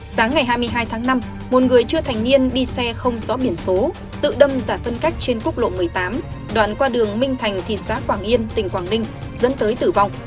sáng ngày hai mươi hai tháng năm một người chưa thành niên đi xe không rõ biển số tự đâm giải phân cách trên quốc lộ một mươi tám đoạn qua đường minh thành thị xã quảng yên tỉnh quảng ninh dẫn tới tử vong